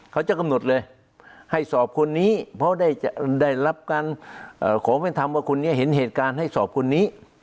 เขาจะกำหนดเลยให้สอบคนนี้เพราะได้รับการขอเป็นธรรมว่าคนนี้เห็นเหตุการณ์ให้สอบคนนี้